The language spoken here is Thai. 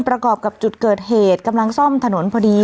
ประกอบกับจุดเกิดเหตุกำลังซ่อมถนนพอดี